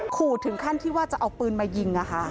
ขู่ถึงขั้นที่ว่าจะเอาปืนมายิง